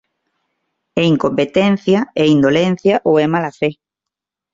É incompetencia, é indolencia ou é mala fe.